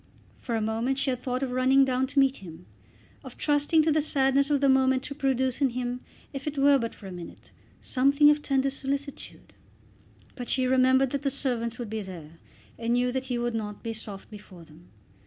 For a moment she had thought of running down to meet him; of trusting to the sadness of the moment to produce in him, if it were but for a minute, something of tender solicitude; but she remembered that the servants would be there, and knew that he would not be soft before them.